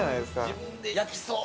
◆自分で焼きそう。